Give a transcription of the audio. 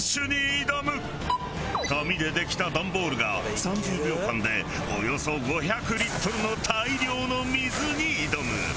紙でできたダンボールが３０秒間でおよそ５００リットルの大量の水に挑む。